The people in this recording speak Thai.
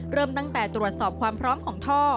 เริ่มตั้งแต่ตรวจสอบความพร้อมของท่อ